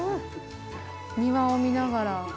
庭を見ながら。